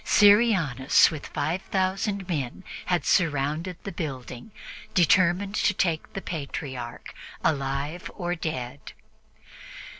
Syrianus with five thousand men had surrounded the building, determined to take the Patriarch, alive or dead.